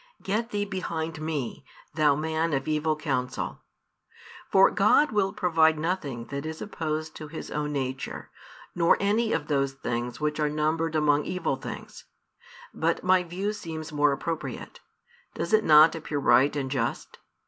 Get thee behind me, thou man of evil counsel! For God will provide nothing that is opposed to His own Nature, nor any of those things which are numbered among evil things. But my view seems more appropriate: does it not appear right and just?